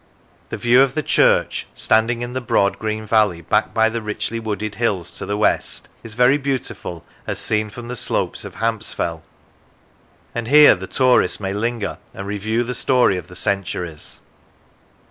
The view of the church, standing in the broad green valley, backed by the richly wooded hills to the west, is very beautiful as seen from the slopes of Hampsfell; and here the tourist may linger and review the story of the centuries.